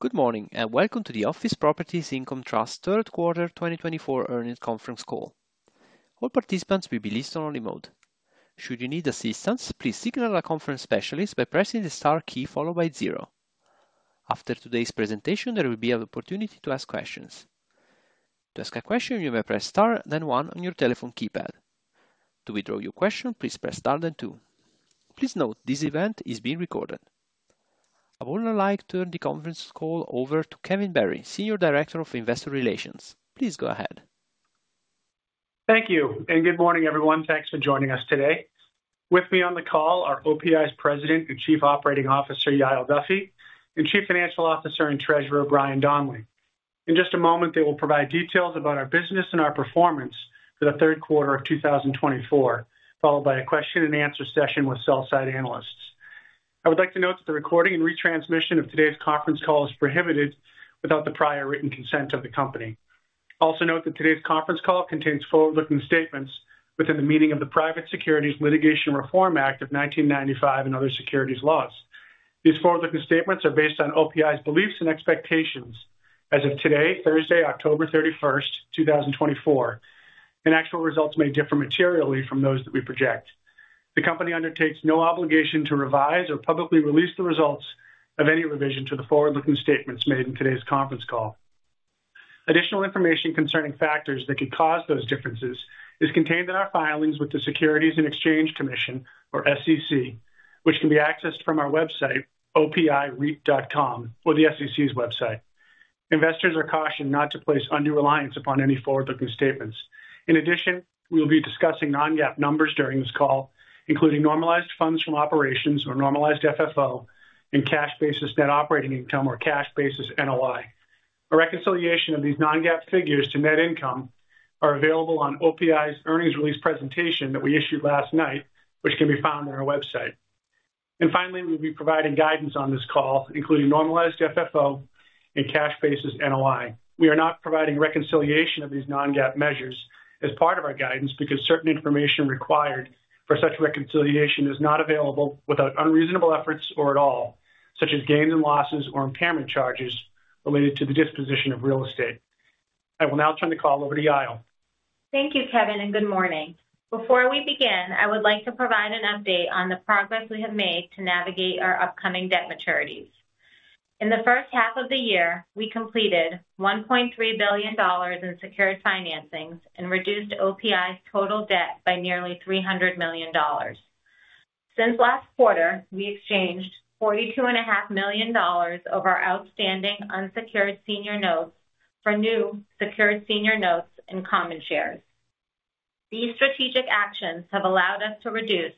Good morning and welcome to the Office Properties Income Trust third quarter 2024 earnings conference call. All participants will be in listen-only mode. Should you need assistance, please signal a conference specialist by pressing the star key followed by zero. After today's presentation, there will be an opportunity to ask questions. To ask a question, you may press star then one on your telephone keypad. To withdraw your question, please press star then two. Please note this event is being recorded. I would now like to turn the conference call over to Kevin Barry, Senior Director of Investor Relations. Please go ahead. Thank you and good morning, everyone. Thanks for joining us today. With me on the call are OPI's President and Chief Operating Officer, Yael Duffy, and Chief Financial Officer and Treasurer, Brian Donley. In just a moment, they will provide details about our business and our performance for the third quarter of 2024, followed by a question-and-answer session with sell-side analysts. I would like to note that the recording and retransmission of today's conference call is prohibited without the prior written consent of the company. Also note that today's conference call contains forward-looking statements within the meaning of the Private Securities Litigation Reform Act of 1995 and other securities laws. These forward-looking statements are based on OPI's beliefs and expectations as of today, Thursday, October 31st, 2024, and actual results may differ materially from those that we project. The company undertakes no obligation to revise or publicly release the results of any revision to the forward-looking statements made in today's conference call. Additional information concerning factors that could cause those differences is contained in our filings with the Securities and Exchange Commission, or SEC, which can be accessed from our website, opireit.com, or the SEC's website. Investors are cautioned not to place undue reliance upon any forward-looking statements. In addition, we will be discussing non-GAAP numbers during this call, including normalized funds from operations or normalized FFO and cash basis net operating income or cash basis NOI. A reconciliation of these non-GAAP figures to net income is available on OPI's earnings release presentation that we issued last night, which can be found on our website, and finally, we will be providing guidance on this call, including normalized FFO and cash basis NOI. We are not providing reconciliation of these non-GAAP measures as part of our guidance because certain information required for such reconciliation is not available without unreasonable efforts or at all, such as gains and losses or impairment charges related to the disposition of real estate. I will now turn the call over to Yael. Thank you, Kevin, and good morning. Before we begin, I would like to provide an update on the progress we have made to navigate our upcoming debt maturities. In the first half of the year, we completed $1.3 billion in secured financings and reduced OPI's total debt by nearly $300 million. Since last quarter, we exchanged $42.5 million over our outstanding unsecured senior notes for new secured senior notes and common shares. These strategic actions have allowed us to reduce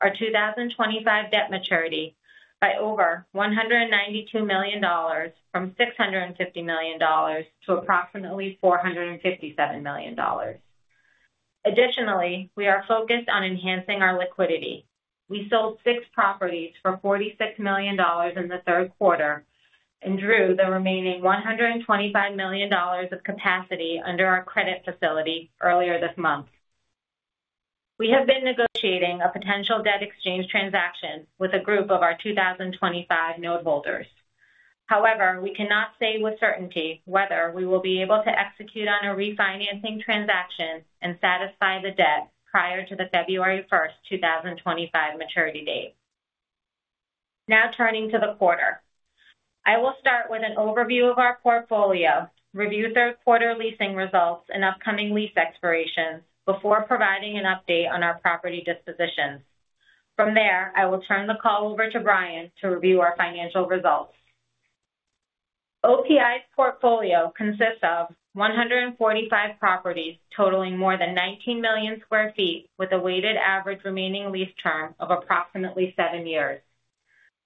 our 2025 debt maturity by over $192 million from $650 million to approximately $457 million. Additionally, we are focused on enhancing our liquidity. We sold six properties for $46 million in the third quarter and drew the remaining $125 million of capacity under our credit facility earlier this month. We have been negotiating a potential debt exchange transaction with a group of our 2025 noteholders. However, we cannot say with certainty whether we will be able to execute on a refinancing transaction and satisfy the debt prior to the February 1st, 2025 maturity date. Now turning to the quarter, I will start with an overview of our portfolio, review third quarter leasing results and upcoming lease expirations before providing an update on our property dispositions. From there, I will turn the call over to Brian to review our financial results. OPI's portfolio consists of 145 properties totaling more than 19 million sq ft with a weighted average remaining lease term of approximately seven years.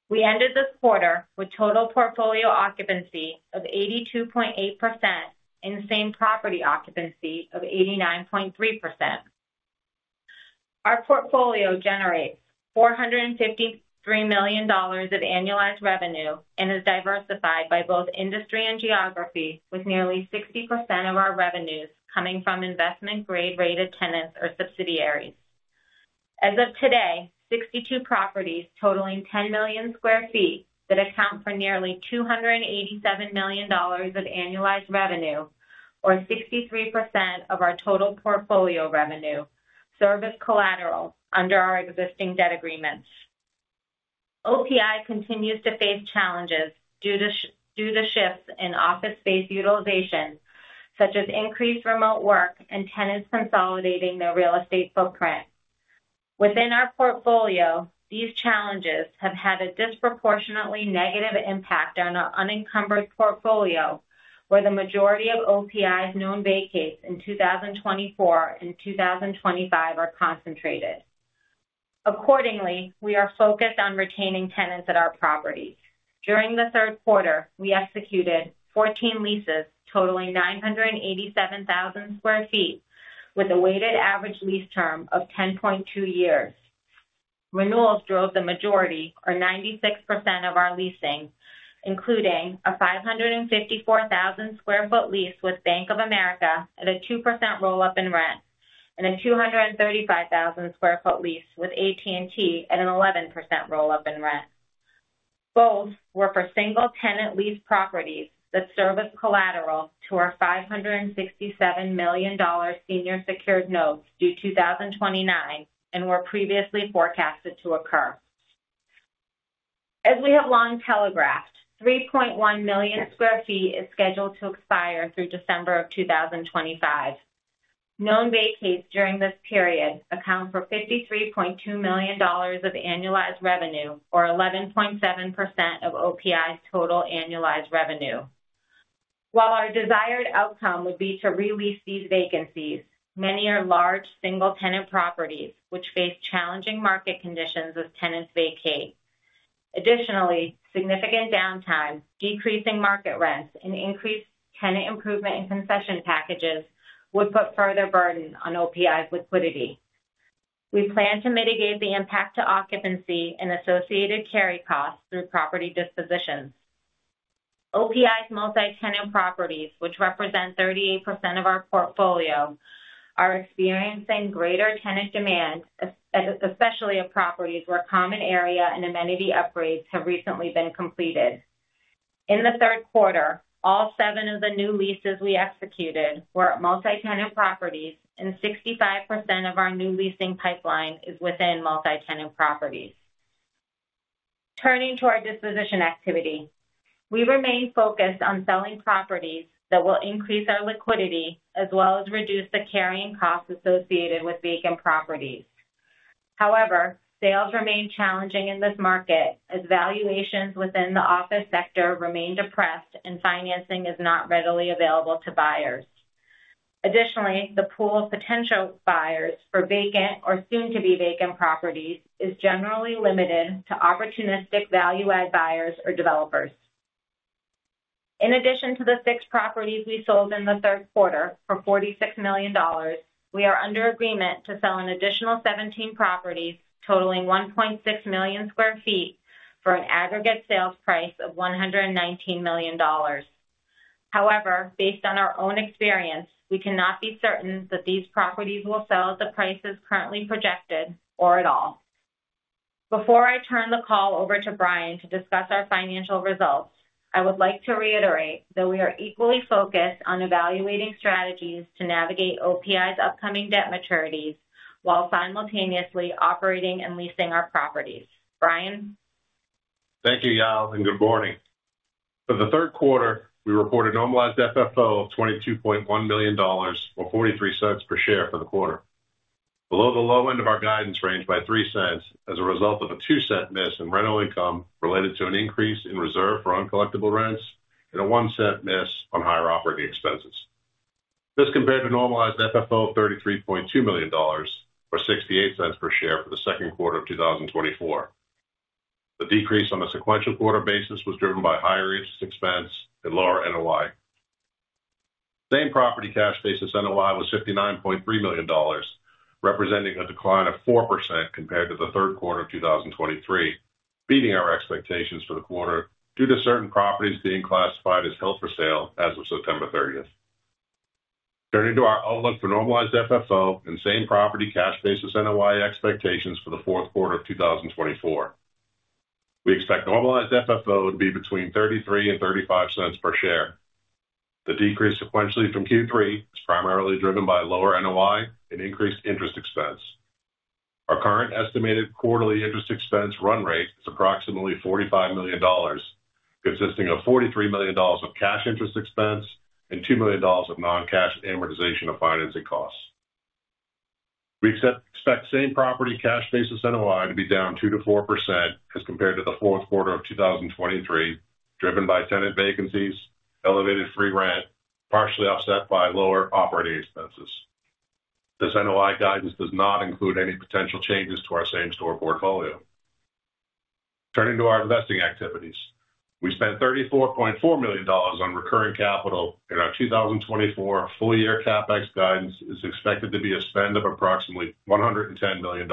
We ended this quarter with total portfolio occupancy of 82.8% and same property occupancy of 89.3%. Our portfolio generates $453 million of annualized revenue and is diversified by both industry and geography, with nearly 60% of our revenues coming from investment-grade rated tenants or subsidiaries. As of today, 62 properties totaling 10 million sq ft that account for nearly $287 million of annualized revenue, or 63% of our total portfolio revenue, serve as collateral under our existing debt agreements. OPI continues to face challenges due to shifts in office space utilization, such as increased remote work and tenants consolidating their real estate footprint. Within our portfolio, these challenges have had a disproportionately negative impact on our unencumbered portfolio, where the majority of OPI's known vacates in 2024 and 2025 are concentrated. Accordingly, we are focused on retaining tenants at our properties. During the third quarter, we executed 14 leases totaling 987,000 sq ft with a weighted average lease term of 10.2 years. Renewals drove the majority, or 96% of our leasing, including a 554,000 sq ft lease with Bank of America at a 2% roll-up in rent and a 235,000 sq ft lease with AT&T at an 11% roll-up in rent. Both were for single-tenant lease properties that serve as collateral to our $567 million senior secured notes due 2029 and were previously forecasted to occur. As we have long telegraphed, 3.1 million sq ft is scheduled to expire through December of 2025. Known vacates during this period account for $53.2 million of annualized revenue, or 11.7% of OPI's total annualized revenue. While our desired outcome would be to re-lease these vacancies, many are large single-tenant properties which face challenging market conditions as tenants vacate. Additionally, significant downtime, decreasing market rents, and increased tenant improvement and concession packages would put further burden on OPI's liquidity. We plan to mitigate the impact to occupancy and associated carry costs through property dispositions. OPI's multi-tenant properties, which represent 38% of our portfolio, are experiencing greater tenant demand, especially at properties where common area and amenity upgrades have recently been completed. In the third quarter, all seven of the new leases we executed were at multi-tenant properties, and 65% of our new leasing pipeline is within multi-tenant properties. Turning to our disposition activity, we remain focused on selling properties that will increase our liquidity as well as reduce the carrying costs associated with vacant properties. However, sales remain challenging in this market as valuations within the office sector remain depressed and financing is not readily available to buyers. Additionally, the pool of potential buyers for vacant or soon-to-be-vacant properties is generally limited to opportunistic value-add buyers or developers. In addition to the six properties we sold in the third quarter for $46 million, we are under agreement to sell an additional 17 properties totaling 1.6 million sq ft for an aggregate sales price of $119 million. However, based on our own experience, we cannot be certain that these properties will sell at the prices currently projected or at all. Before I turn the call over to Brian to discuss our financial results, I would like to reiterate that we are equally focused on evaluating strategies to navigate OPI's upcoming debt maturities while simultaneously operating and leasing our properties. Brian? Thank you, Yael, and good morning. For the third quarter, we reported normalized FFO of $22.1 million or $0.43 per share for the quarter, below the low end of our guidance range by $0.03 as a result of a $0.02 miss in rental income related to an increase in reserve for uncollectible rents and a $0.01 miss on higher operating expenses. This compared to normalized FFO of $33.2 million or $0.68 per share for the second quarter of 2024. The decrease on a sequential quarter basis was driven by higher interest expense and lower NOI. Same property cash basis NOI was $59.3 million, representing a decline of 4% compared to the third quarter of 2023, beating our expectations for the quarter due to certain properties being classified as held for sale as of September 30th. Turning to our outlook for normalized FFO and same property cash basis NOI expectations for the fourth quarter of 2024, we expect normalized FFO to be between $0.33 and $0.35 per share. The decrease sequentially from Q3 is primarily driven by lower NOI and increased interest expense. Our current estimated quarterly interest expense run rate is approximately $45 million, consisting of $43 million of cash interest expense and $2 million of non-cash amortization of financing costs. We expect same property cash basis NOI to be down 2%-4% as compared to the fourth quarter of 2023, driven by tenant vacancies, elevated free rent, partially offset by lower operating expenses. This NOI guidance does not include any potential changes to our same store portfolio. Turning to our investing activities, we spent $34.4 million on recurring capital. In our 2024 full-year CapEx guidance is expected to be a spend of approximately $110 million,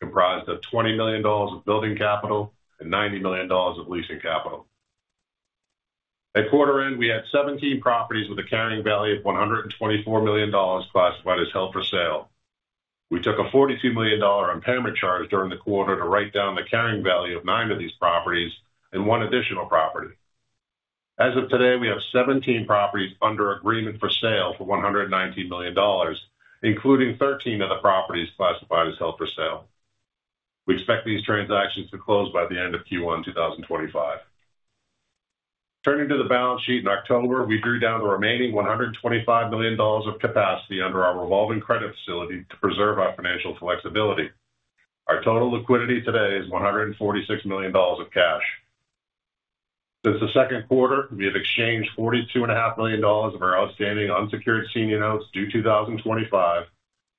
comprised of $20 million of building capital and $90 million of leasing capital. At quarter end, we had 17 properties with a carrying value of $124 million classified as held for sale. We took a $42 million impairment charge during the quarter to write down the carrying value of nine of these properties and one additional property. As of today, we have 17 properties under agreement for sale for $119 million, including 13 of the properties classified as held for sale. We expect these transactions to close by the end of Q1 2025. Turning to the balance sheet in October, we drew down the remaining $125 million of capacity under our revolving credit facility to preserve our financial flexibility. Our total liquidity today is $146 million of cash. Since the second quarter, we have exchanged $42.5 million of our outstanding unsecured senior notes due 2025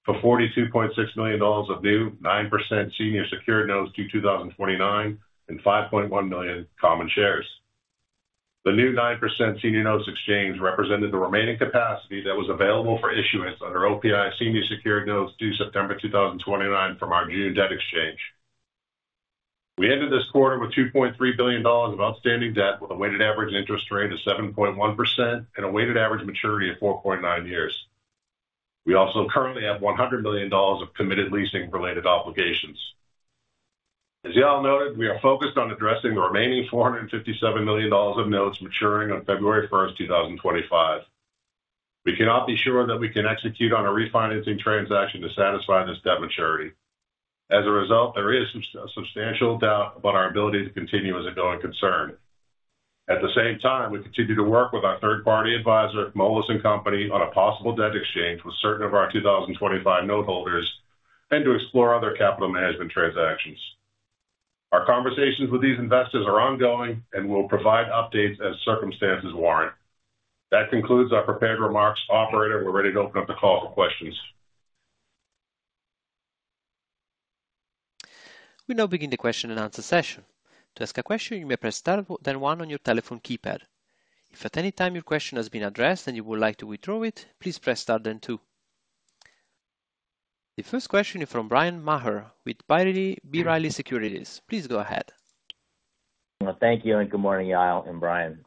for $42.6 million of new 9% senior secured notes due 2029 and 5.1 million common shares. The new 9% senior notes exchange represented the remaining capacity that was available for issuance under OPI senior secured notes due September 2029 from our June debt exchange. We ended this quarter with $2.3 billion of outstanding debt with a weighted average interest rate of 7.1% and a weighted average maturity of 4.9 years. We also currently have $100 million of committed leasing-related obligations. As Yael noted, we are focused on addressing the remaining $457 million of notes maturing on February 1st, 2025. We cannot be sure that we can execute on a refinancing transaction to satisfy this debt maturity. As a result, there is a substantial doubt about our ability to continue as a going concern. At the same time, we continue to work with our third-party advisor, Moelis & Company, on a possible debt exchange with certain of our 2025 noteholders and to explore other capital management transactions. Our conversations with these investors are ongoing and will provide updates as circumstances warrant. That concludes our prepared remarks. Operator, we're ready to open up the call for questions. We now begin the question and answer session. To ask a question, you may press star, then 1 on your telephone keypad. If at any time your question has been addressed and you would like to withdraw it, please press star, then 2. The first question is from Bryan Maher with B. Riley Securities. Please go ahead. Thank you and good morning, Yael and Brian.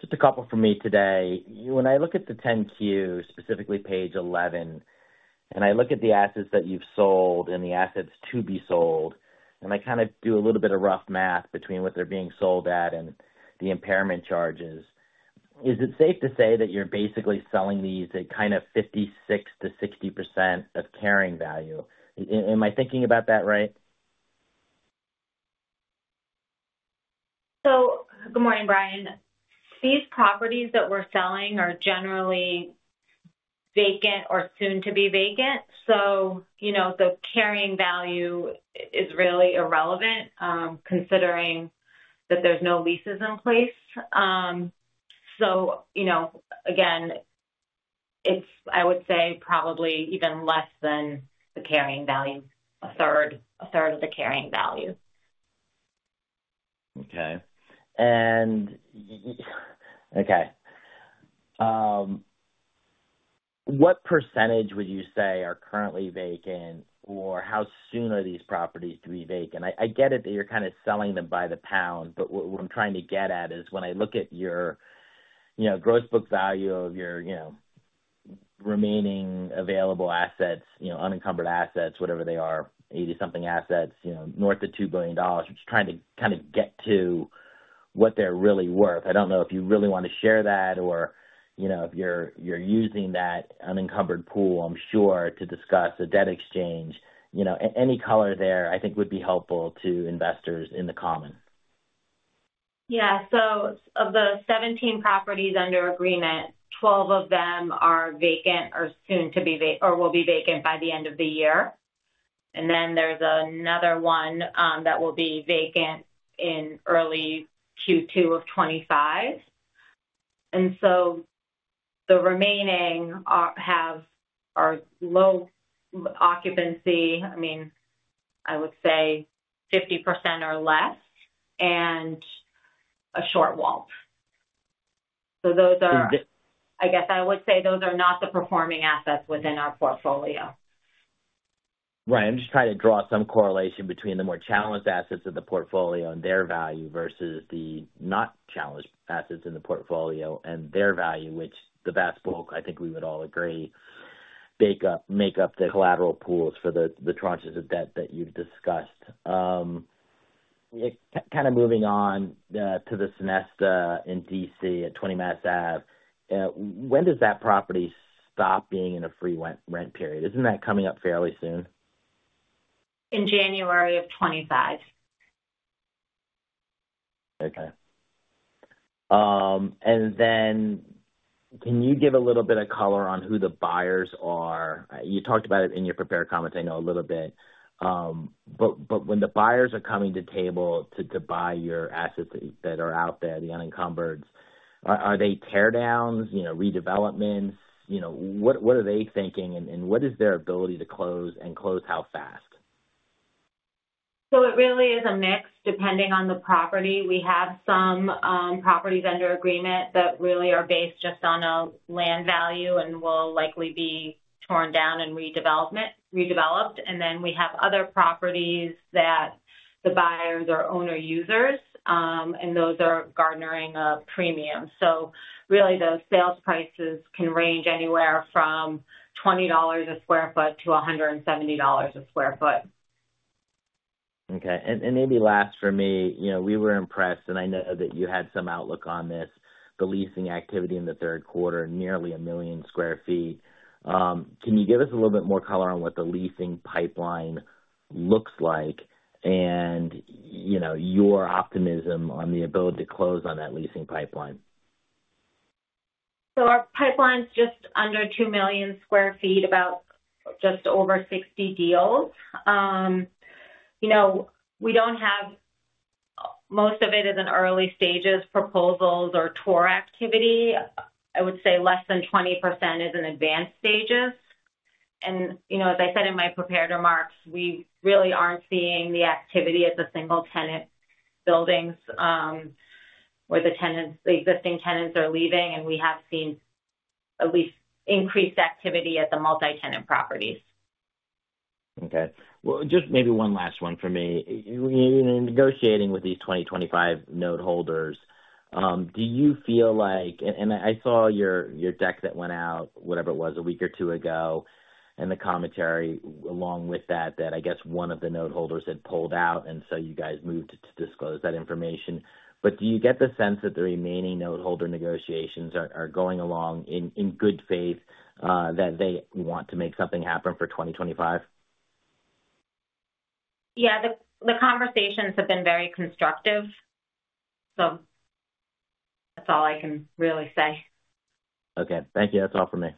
Just a couple for me today. When I look at the 10-Q, specifically page 11, and I look at the assets that you've sold and the assets to be sold, and I kind of do a little bit of rough math between what they're being sold at and the impairment charges, is it safe to say that you're basically selling these at kind of 56%-60% of carrying value? Am I thinking about that right? So good morning, Brian. These properties that we're selling are generally vacant or soon-to-be-vacant, so the carrying value is really irrelevant considering that there's no leases in place. So again, it's, I would say, probably even less than the carrying value, a third of the carrying value. Okay. And okay. What percentage would you say are currently vacant, or how soon are these properties to be vacant? I get it that you're kind of selling them by the pound, but what I'm trying to get at is when I look at your gross book value of your remaining available assets, unencumbered assets, whatever they are, 80-something assets, north of $2 billion, just trying to kind of get to what they're really worth. I don't know if you really want to share that or if you're using that unencumbered pool, I'm sure, to discuss a debt exchange. Any color there, I think, would be helpful to investors in the common. Yeah. So of the 17 properties under agreement, 12 of them are vacant or soon-to-be or will be vacant by the end of the year. And then there's another one that will be vacant in early Q2 of 2025. And so the remaining have low occupancy, I mean, I would say 50% or less, and a short WAL. So those are, I guess I would say those are not the performing assets within our portfolio. Right. I'm just trying to draw some correlation between the more challenged assets of the portfolio and their value versus the not challenged assets in the portfolio and their value, which the vast bulk, I think we would all agree, make up the collateral pools for the tranches of debt that you've discussed. Kind of moving on to the Sonesta in DC at 20 Mass Ave, when does that property stop being in a free rent period? Isn't that coming up fairly soon? In January of 2025. Okay. And then can you give a little bit of color on who the buyers are? You talked about it in your prepared comments, I know, a little bit. But when the buyers are coming to the table to buy your assets that are out there, the unencumbered, are they tear-downs, redevelopments? What are they thinking, and what is their ability to close and close how fast? So it really is a mix depending on the property. We have some properties under agreement that really are based just on a land value and will likely be torn down and redeveloped. And then we have other properties that the buyers are owner-users, and those are garnering a premium. So really, those sales prices can range anywhere from $20-$170 sq ft. Okay. And maybe last for me, we were impressed, and I know that you had some outlook on this, the leasing activity in the third quarter, nearly a million sq ft. Can you give us a little bit more color on what the leasing pipeline looks like and your optimism on the ability to close on that leasing pipeline? So our pipeline's just under two million sq ft, about just over 60 deals. Most of it is in early stages, proposals or tour activity. I would say less than 20% is in advanced stages, and as I said in my prepared remarks, we really aren't seeing the activity at the single-tenant buildings where the existing tenants are leaving, and we have seen at least increased activity at the multi-tenant properties. Okay. Well, just maybe one last one for me. In negotiating with these 2025 noteholders, do you feel like, and I saw your deck that went out, whatever it was, a week or two ago and the commentary along with that, that I guess one of the noteholders had pulled out, and so you guys moved to disclose that information. But do you get the sense that the remaining noteholder negotiations are going along in good faith that they want to make something happen for 2025? Yeah. The conversations have been very constructive. So that's all I can really say. Okay. Thank you. That's all for me.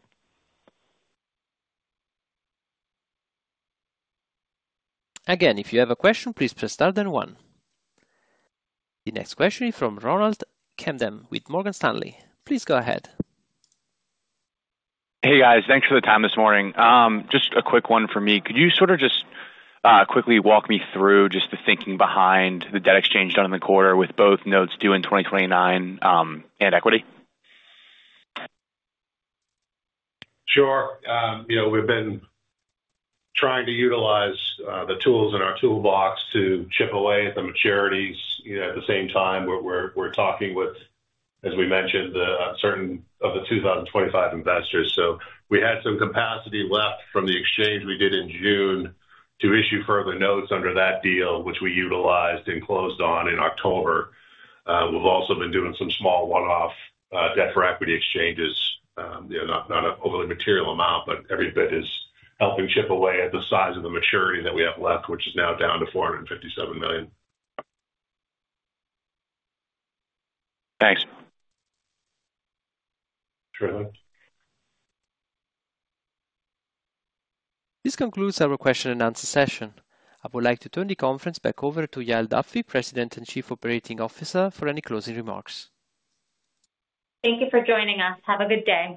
Again, if you have a question, please press star, then 1. The next question is from Ronald Kamdem with Morgan Stanley. Please go ahead. Hey, guys. Thanks for the time this morning. Just a quick one for me. Could you sort of just quickly walk me through just the thinking behind the debt exchange done in the quarter with both notes due in 2029 and equity? Sure. We've been trying to utilize the tools in our toolbox to chip away at the maturities. At the same time, we're talking with, as we mentioned, certain of the 2025 investors. So we had some capacity left from the exchange we did in June to issue further notes under that deal, which we utilized and closed on in October. We've also been doing some small one-off debt for equity exchanges, not an overly material amount, but every bit is helping chip away at the size of the maturity that we have left, which is now down to $457 million. Thanks. Sure. This concludes our question and answer session. I would like to turn the conference back over to Yael Duffy, President and Chief Operating Officer, for any closing remarks. Thank you for joining us. Have a good day.